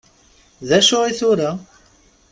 D acu i tura?